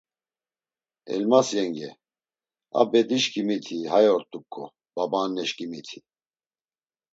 Elmas yenge, a bedişǩimiti hay ort̆uǩo, babaanneşǩimi.